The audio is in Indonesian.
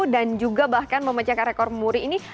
dan juga bahkan memecahkan rekor muri ini